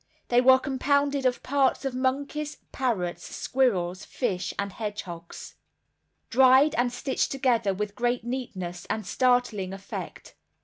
They were compounded of parts of monkeys, parrots, squirrels, fish, and hedgehogs, dried and stitched together with great neatness and startling effect.